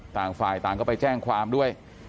ต่างฝ่ายต่างก็ไปแจ้งความด้วย